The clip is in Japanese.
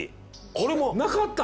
これもなかった？